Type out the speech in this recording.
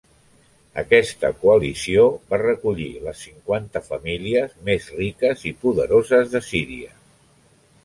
Aquesta coalició va recollir les cinquanta famílies més riques i poderoses de Síria.